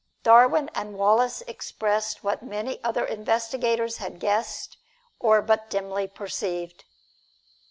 Darwin and Wallace expressed what many other investigators had guessed or but dimly perceived.